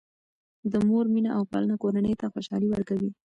د مور مینه او پالنه کورنۍ ته خوشحالي ورکوي.